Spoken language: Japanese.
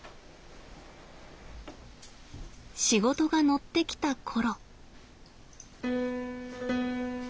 仕事が乗ってきた頃。